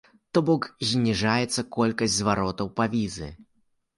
То бок, зніжаецца колькасць зваротаў па візы.